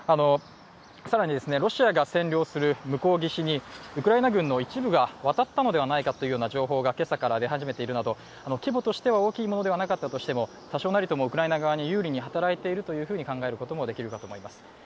更に、ロシアが占領する向こう岸にウクライナ軍の一部が渡ったのではないかというような情報が、今朝からで始めているなど規模としては大きいものではなかったとしても多少なりともウクライナ側に有利に働いていると考えることもできるかと思います。